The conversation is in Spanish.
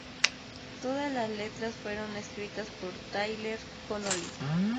Todas las letras fueron escritas por Tyler Connolly.